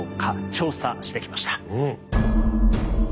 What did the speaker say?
調査してきました。